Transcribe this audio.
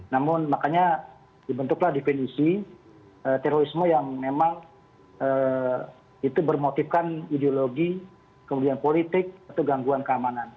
namun makanya dibentuklah definisi terorisme yang memang itu bermotifkan ideologi kemudian politik atau gangguan keamanan